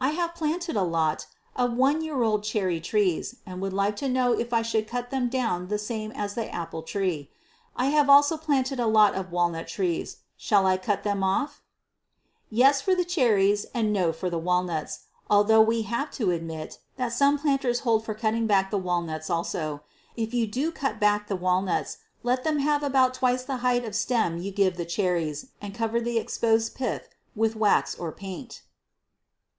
I have planted a lot of one year old cherry trees and would like to know if I should cut them down the same as the apple tree? I have also planted a lot of walnut trees. Shall I cut them off? Yes for the cherries and no for the walnuts although we have to admit that some planters hold for cutting back the walnuts also. If you do cut back the walnuts, let them have about twice the height of stem you give the cherries and cover the exposed pith with wax or paint.